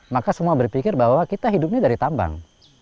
maka semua berpikir bahwa kita hidupnya dari tambang